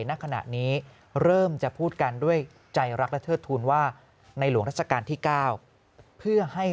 ณขณะนี้เริ่มจะพูดกันด้วยใจรักและเทิดทูลว่าในหลวงราชการที่๙เพื่อให้